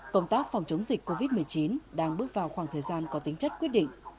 công tác phòng chống dịch covid một mươi chín đang bước vào khoảng thời gian có tính chất quyết định